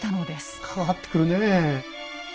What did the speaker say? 関わってくるねえ。